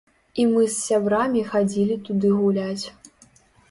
І мы з сябрамі хадзілі туды гуляць.